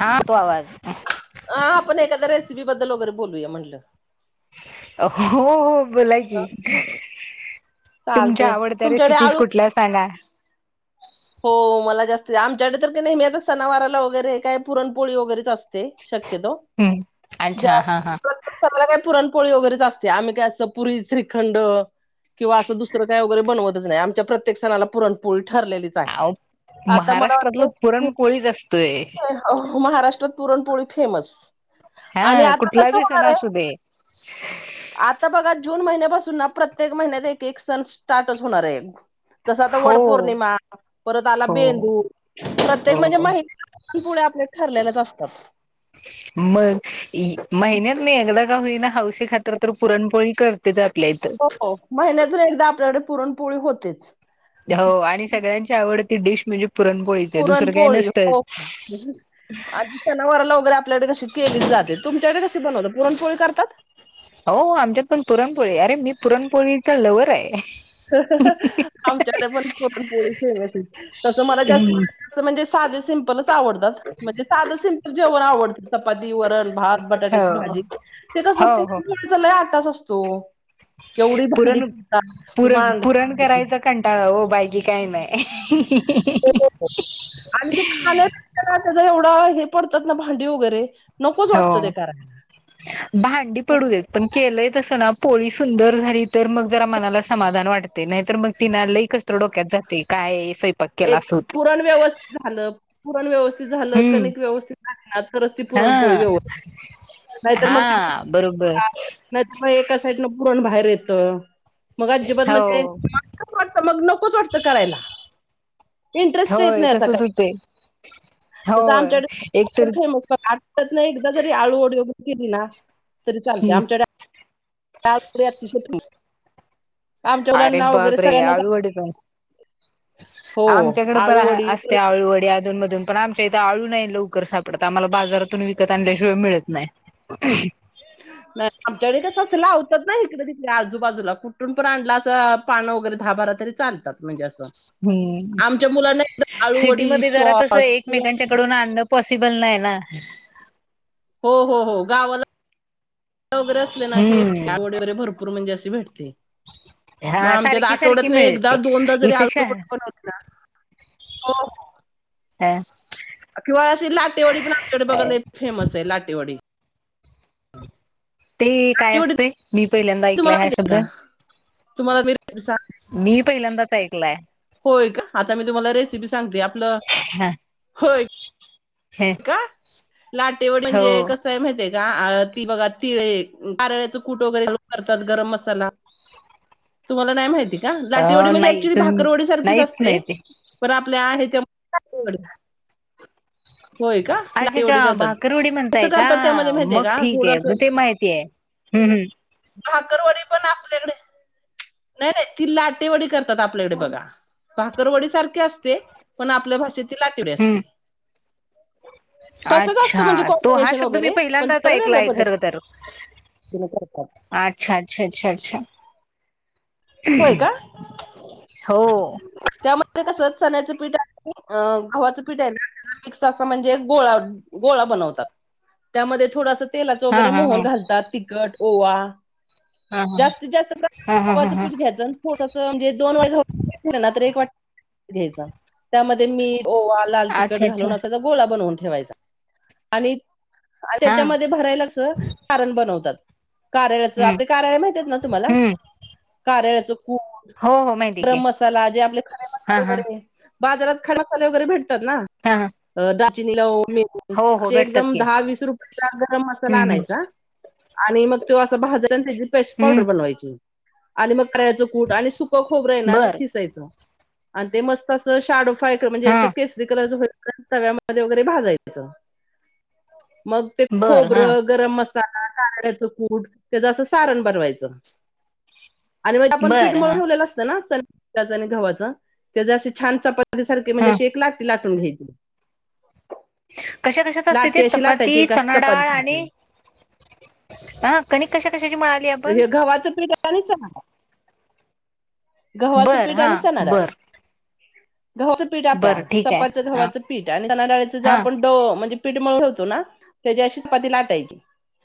हा तो आवाज. अ आपण एखाद्या रेसिपी बद्दल वगैरे बोलूया म्हटलं. हो हो. बोलाकी तुमच्या चालतंय आवडत्या तुमच्याकडे रेसिपीज आळू कुठल्या सांगा. हो मला जास्त आमच्याकडे तर नाहीेहमी आ सणावारला वगैरे काय पुरणपोळी वगैरेच असते शक्य तो हम्म अच्छा हा हा का पुरण पोळी वगैरेच असते आम्ही काय असं पुरी श्रीखंड, किंवा असं दुसरं काय वगैरे बनवतच नाही आमच्या प्रत्येक सणाला पुरणपोळी ठरलेली अ महाराष्ट्रातलं पुरणपोळीच असत. महाराष्ट्रात पुरणपोळी फेमस. आणि हा आता कस कुठला बी सण होणार आहे, असू दे आता बघा जून महिन्यापासून सुना प्रत्येक महिन्यात एक एक सण स्टार्टच होणार आहे. जस आता हो वड पौर्णिमा परत आला हो बेंदू प्रत्येक म्हणजे हो महिना आप ठरलेलेच असतात. मी एकदा का होई ना हौशी खातर तर पुरणपोळी करतेच आपल्या इथ. पुळी होतेच. हो आणि सगळ्यांची आवडती डिश म्हणजे पुरणपोळीचे दुसरं काही पुरणपोळी हो नसतंच आधी सनावराला वगैरे आपल्याकडे कशी, केली जाते तुमच्याकडे कशी बनवत पुरणपोळी करतात? हो आमच्यात पण पुरणपोळी अरे मी पुरणपोळीचा लवर्ह आहे. आमच्याकडे पण पुरणपोळी फेमस आहे तस मला जास्तीत म्हणजे साधं, जेवण आवडत म्हणजे साधं सिम्पल जेवण आवडत म्हणजे चपाती, वरण, भात, बटाट्याजी हो भाजी, तस हो हो पूला आठच असतो एवढी भांडी पुरण पाहतात. पुरण पुरण करायचं कंटाळा हो बाकी काही नाही. हो, हो, हो. आणि ते खाण्या त्याच एवढं हे पडतात ना भांडी वगैरे नकोच हो वाटतं ते करायला. भांडी पडू देत पण केलंय तसं ना! पोळी सुंदर झाली तर मग जरा मनाला समाधान वाटते नाहीतर मग तिना लई कस्त्र डोक्यात जाते काय स्वयंपाक केला एक अस होते. [inaudible] झाल हम्म. कनिक व्यवस्थित ना तरच ती पुरणपोळी हा व्यवस् [unintelligible] नाहीतर मग ते हा बरोबर नाहीतर मग एका साईडन पुरण बाहेर येत. मग अजिबात म्हणजे हो वाटत मग नकोच वाटतं करायला. इंटरेस्ट येत होय नाही असं का. तसच होतंय. तसं होय एकतर आमच्याकडे फेमस आत नाही एकदा जरी आळू वडी वगैर. केली ना तरी चालते हम्म आमच्याकड अतिशय आमच्या अरे मुलांना वगैरे बापरे सगळ्यांनाच आळू आवडते. वडी काय हो आमच्याकडे पण आळूवडी असते परत आळुवडी अधुन म - पण आमच्या इथे आळू नाही लवकर सापडत आम्हाला बाजारातून विकत आणल्याशिवाय मिळत नाही [inaudible] आमच्याकडे कस असं लावतात ना इकडे तिकडे आजूबाजूला कुठून पण आणला असं पाण वगैरे दहा बारा तरी चालतात म्हंजे अस हम्म सिटी आळूवडी मध्ये जरा तस सॉस किंवा एकमेकांच्याकडून अन्न पॉसिबल नाही ना हो हो हो गावाला [inaudible] वगैरे असले ना की हम्म [unintelligible] भरपूर म्हणजे अस भेटतय मग हा आमच्यात सारखी सारखी आठवड्यातन एकदा मिळते दोनदा जरी इथे आळुवडी शहा बनवली जा हो हो [unintelligible] किंवा अशी लाटेवाडी पण आमच्याकडे बघाला फेमस आहे लाटेवडी [inaudible] ते काय लाटेवडी असतय मी - पहिल्यांदा ऐकलाय तुम्हाला हा माहिती शब्द आहे का? तुम्हाला मी रेसिपी सांग [inaudible] मी पहिल्यांदाच ऐकलाय होय का आता मी तुम्हाला रेसिपी सांगते आपलं हा होय का लाटेवड हो म्हणजे कसंय माहती का ती बघा तिळे नारळाच कुट वगैरे घालून करतात गरम मसाला तुम्हाला नाही माहिती का लाटेवडी अ म्हणजे नाही एक्च्युली तुम भाकरवडी सारखीच नाहीच असते नाही ते पण आपल्या [unintelligible] अच्छा अच्छा लाटेवडी करतात. भाकर वडी कसं म्हणताय का करतात त्यामध्ये माहितीये मग का ठीक आहे थोडस मग ते माहितीय हम्म हम्म भाकरवडी पण आपल्याकडे नाही नाही ती लाटेवडी करतात आपल्याकडे बघा भाकरवडी सारखे असते पण आपल्या भाषेत त लाटेवडी हम्म असते तसंच असतं अच्छा म्हणजे तो हा कॉम्बिनेशन शब्द मी वगैरे पण पहिल्यांदाच जरा वेगळ्या ऐकलाय खर पद्धतीने तर करतात अच्छा अच्छा अच्छा अच्छा होय का हो ते कस चण्याचं पीठ आहे गव्हाचं पीठ आहे ना मिक्स अस म्हणजे गोळा गोळा बनवतात त्यामध्ये थोडस तेलाचं हा वगैरे हा मोहन हा घालतात तिखट ओवा हा हा जास्तीत जास्त हा प्रमाणात हा हा गव्हावाचं हा पीठ घ्यायंच [inaudible] ठोसाचं म्हणजे दोन वा ना तर एक वाट घ्यायचा त्यामध्ये मी ओवा लाल तिखट अच्छा अच्छा घालून असाचा गोळा बनवून ठे ठेवायचा आणि हा त्याच्यामध्ये भरायला अस सारण बनवतात कारळ्याचं हम्म आपले कारळे माहिती आहेत ना तुम्हाला हम्म कार्ळ्याच ड हो हो माहिती की गरम मसाला जे आपले खडे हा मसाले हा वगैरे बाजारात खडे मसाले वगैरे भेटतात ना हा हा दालचीनी लवंग हो - हो भेटतात एकदम की दहा वीस रुपयाचा गरम मसाला हम्म हम्म आणायचा आणि मग तो असा भाजाला त्या पेस्ट पावडर हम्म बनवायची आणि मग करायचं कूट आणि सुप खोबर आहे ना ते बर खिसायचं आणि ते मस्त असं शाडोफाय कर म्हणजे हा अस केसरी कलर च तव्यामध्ये वगैरे भाजायचं मग ते बर खोबर हा गरम मसाला टारयचं कूट त्याच असं सारण बनवायचं आणि म्हजे आपण पीठ बर मळून हा ठेवलेलं असतं ना चण्याच आणि गव्हांच त्या च अस छान च सारखी हा म्हणजेे एक लाटी लाटून घ्यायची कशा कशाच असते ते लाटी अशी लाटायची चपाती एक अशी चणा चपाती डाळ आणि सारखी. हा कणीक कशा कशाची मळा हे गव्हाचं पीठ आणि चणा गव्हाचं बर पीठ हा आणि चणा डाळ बर गव्हाचं पीठ आपल्या बर ठीक आहे चपाचं हा गव्हाचं पीठ आणि त्याना डाळेचं ज हा आपण ड म्हणजे पीठ मळुण ठेवतो ना त्याची अशी चपाती लाटायची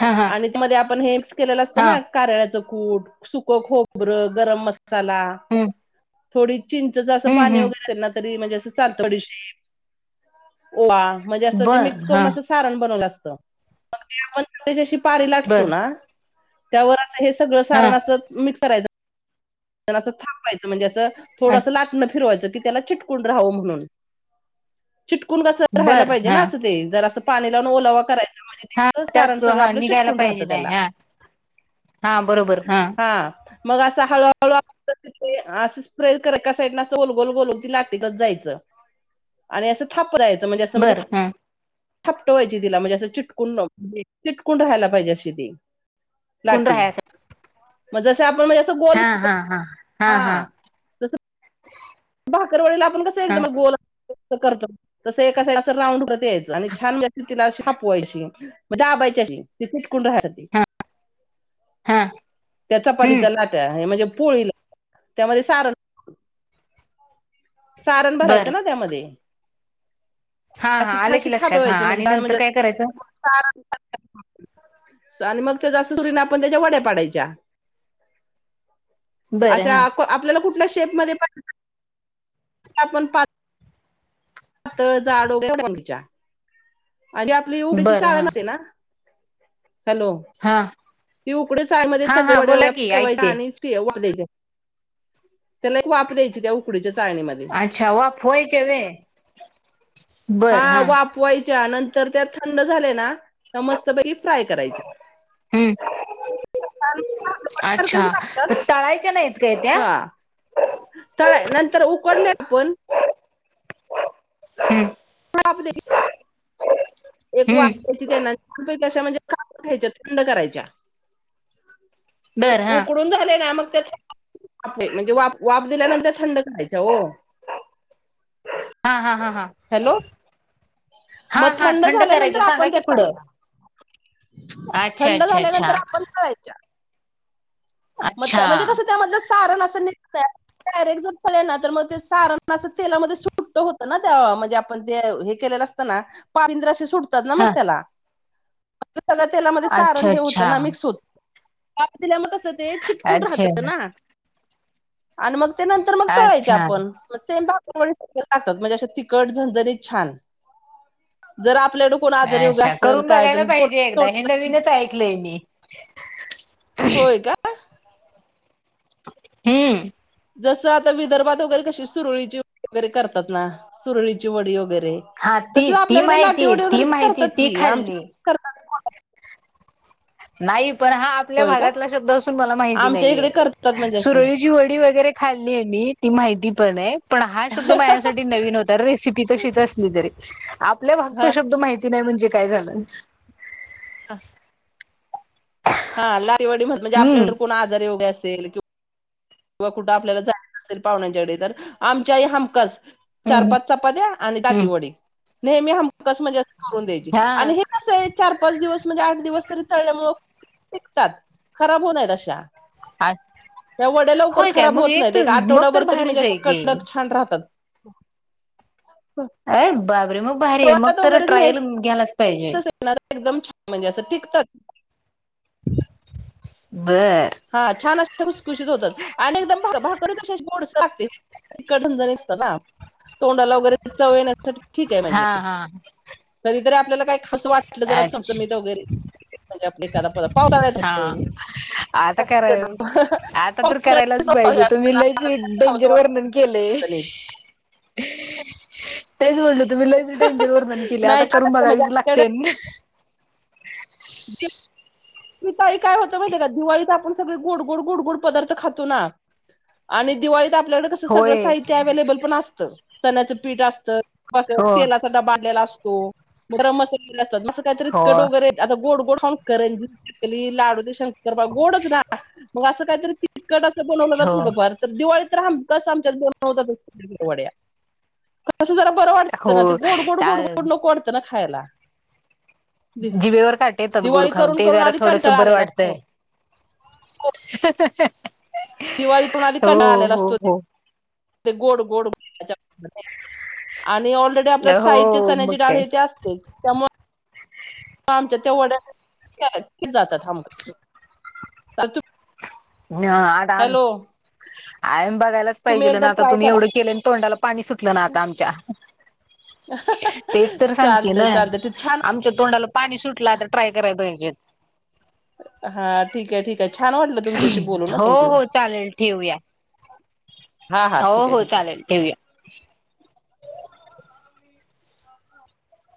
हा हा आणि म आपण हे मिक्स केलं ल अस हा ना कारळचं कूट सुकं खोबरं गरम मसाला हम्म थोडी चिंचच असं हम्म पाणी हम्म वगैरे ना तरी म्हणजे असं चालथोडीशीेप ओवा म्हणजे अस ते बर मिक्स हा करून अस सारण बनव असत. ला. बर हा पण असं थांबवायचं म्हणजे असं थोडंसं लाटणं फिरवायचं. त्याला चिटकून राहा म्हणून चिटकून कस राहायला बर पाहिजे हा ना अस ते जर असं. पाणी लावून ओलावा करायचं म्हणजे हा तेच सारण त्यात सगळं हा आपलं निघायला चिटकून पाहिजे राहतं नाही त्याला हा हा बरोबर हा. मग असा हल. ळ तिथे असं स्प्रे कर ए साईडन असं गोलगोल गोलगती नाटिकत जायचं. आणि असं थाप दयचं म्हणजे असं म्हणजे बर ह छपट व्हायची तिला म्हणजे असं चिटकून चिटकून राहायला पाहिजे अशी ती कुंड लाटी राहा अस. मग जस आपण म्हणजे असं गोल. हा हा हा हा. भाकरवाडीला आपण कसं एकद हा मग गोल करतो तस एका असं राऊंड उत यायचं आणि छान तिलाशी हापवायशी म्हणजे टकून राहा. हा त्याचा परिच हम्म नाट म्हणजे पोळीला त्यामध्ये सारण. सारण भरायचं बरं ना त्यामध्ये हा हा अशी आलं की छानशी थाप लक्षात हा ववायची आणि म्हणजे नंतर म्हणजे काय करायचं आणि मग त्या सुरीना आपण त्याच्या वड्या पाडायच्या. बरं अ्ा हा आपल्याला कुठल्या शेप मध्ये पहि आपण पा पातळ जाडोच्या आणि आपली उघची बरं हा चाळणते ना. हॅलो हा ती उकडेचयमध्येध्ये हा सगळे हा वडे बोला की ठेवायच्या ऐकते आणि द्या. त्याला एक वाफ द्यायची त्या उकडीच्या चाळणीमध्ये अच्छा वाफवायच्या व्हय हा आ आपवाय. नंतर त्या थंड झाल्या ना मस्त पैकी फ्राय करायच्या हम्म. [unintelligible] अच्छा लागतात तळायच्या नाही य काय त्या त नंतर उकडले आपण हम्म. [unintelligible] एक हम्म वाफ देयची त्यांना म्हणजे घ्यायच्या थंड करायच्या बर हा उकडून झाले ना मग त्या म्हणजे वाफ वाफ दिल्यानंतर थंड करायच हो. हा हा हा हा. हॅलो हा मग हा थंड करायच झाल्यानंतर आपण सांगायचे त्यात पुढं. तळायच्या अच्छा थंड अच्छा अच्छा. झाल्यानंतर आपण तळायच्या मग अच्छा म्हणजे कसं त्यामधलं सारण असं निघत. डायरेक्ट जर तळले ना तर मग ते सारण अस तेलामध्ये सुट्ट होत ना त्या म्हणजे आपण ते हे केलेलं. सुटतात ना हा मग त्याला सगळ्या तेलामध्ये सारण अच्छा हे होतं अच्छा ना मिक्स होत दिल्या मग कसं ते चिटकून अच्छा. राहतं ना आणि मग ते नंतर मग तळायचे अच्छा आपण मग सेम म्हणजे आशा तिखट झणझणीत छान जर आपल्याकडं कोण आजारी वगैरे अच्छा असल. करून बघायला पाहिजे एकदा हे नवीनच ऐकलंय मी होय का? हम्म जसं आता विदर्भात वगैरे कशी सुरळीची व वगैरे करतात ना सुरळीची वडी वगैरे हा ते ती तसंच ती आपल्याकडे माहितीय लाटेवडी वगैरे ती माहितीय करतात ती की खाल्ली आमच्याकडे नाही पण हा आपल्या होय का भागातला शब्द असून मला माहिती आमच्या इकडे नाहीेये. करतात म्हणजे असे सुरळीची वडी वगैरे खाल्ली आहे मी ती माहिती पण आहे पण हा शब्द माझ्यासाठी नवीन होता रेसिपी तशीच असली तरी आपल्या भागचा हा शब्द माहिती नाही म्हणजे काय झालं. ह हा लाटेवडी म्हण म्हणजे हम्म आपल्याकडे कोणआजारी वगैरे असेल किं किंवा कुठं आपल्याला जायच असेल पाहुण्यांच्याकडे तर आमची आई हमखास चार हम्म पाच चपात्या आणि हम्म दाटीवडी नेहमी हम खास म्हणजे अस करून द्यायची हा आणि हे कसं आहे चार पाच दिवस म्हणजे आठ दिवस तळल्यामुळं टिकतात खराब होत नाही अशा अच त्या वड्या खराब होत नाहीत एक आठवडाभर तरी म्हणजे की कडक छान राहतात. अरे बाबरे मग भारी आहे मग प्रवासात तर वगैरे ट्रायल न्यायचं घ्याला ना एकदम छान म्हणजे असं टिकतात. बर एकदम खुसखुशीत होतात आणि एकदम भाकरी कशा गोडस लागते इतकं झणझणीत तोंडाला वगैरे चव येण्यासाठी ठीक आहे म्हणजे हा हा कधीतरी आपल्याला काय असं वाटलं जरा चमचमीत अच्छा वगैरे एखादा पदार्थ पावसाळ्यात हा आता करा आता तर करायलाच पाहिजे तुम्ही लैच खावंसं डेंजर वर्णन केलेय वाटतं नीट तेच बोललं तुम्ही लईच डेंजर वर्णन केलय नाही आता छान करून असतं म्हणजे बघावीच लागत आमच्याकडे त्यांन [unintelligible] मी ताई काय होत माहितीय का दिवाळीत आपण सगळे गोड गोड गोड पदार्थ खातो ना आणि दिवाळीत आपल्याकडे कसं सगळं होय साहित्य अवेलेबल पण असतं चण्याचं पीठ असतं हो तेलाचा डबा आणलेला असतो गरम मसाला काहीतरी हो कट वगैरे आता गोड गोड खाऊन करंजी चकली लाडू ते शंकर तर बा गोडच ना मग असं काहीतरी तिखट असं बनवलं ना हो थोडं फार तर दिवाळी तर हमखास आमच्यात बनवतातच वड्या जरा बर वाटतं ना ते हो गोड गोड गोड गोड नको वाटतं ना खायला दि- जिवेवर काटे येतात गोड दिवाळी खाऊन करून ते करून जरा आधी थोडंस कंटाळा बरं आलेला वाटतंय असतो [unintelligible] दिवाळी पणआधी हो कंटाळा आलेला हो असतो. हो ते गोड गोड [unintelligible] आणि ऑलरेडी आपल्याला हो साहित्य मग चण्याची डाळ काय हे ते असतच त्यामुळे आमच्या त्या वड्या केल्या की जातात हमखास [unintelligible] [unintelligible] हॅलो बघायलाच तुम्ही पाहिजे एकदा ना आता ट्राय तुम्ही करा एवढं केलं तोंडाला पाणी सुटलं ना आता आमच्या तेच तर सांगते चालतंय ना चालतंय ते छान आमच्या तोंडाला पाणी सुटलं आता ट्राय करायला पाहिजे. हा ठीक आहे ठीक काय छान वाटलं तुमच्याशी बोलू ना हो थँक्यू हो चालेल ठेवूया हा हा हो ठीक आहे हो ठीक आहे चालेल ठेवूया